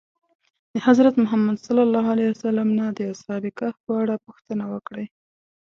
د حضرت محمد نه د اصحاب کهف په اړه پوښتنه وکړئ.